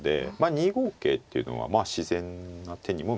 ２五桂っていうのがまあ自然な手にも見えますね。